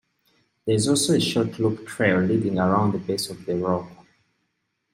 There is also a short loop trail leading around the base of the rock.